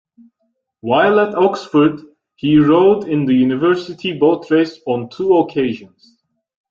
While at Oxford, he rowed in the University Boat Race on two occasions.